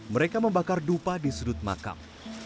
mereka membakar dupa di sudut makam